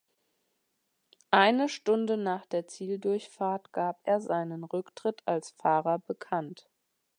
Eine Stunde nach der Zieldurchfahrt gab er seinen Rücktritt als Fahrer bekannt.